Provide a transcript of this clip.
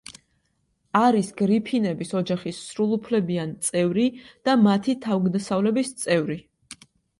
არის გრიფინების ოჯახის სრულუფლებიან წევრი და მათი თავგადასავლების წევრი.